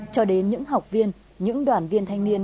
cho đến những học viên những đoàn viên thanh niên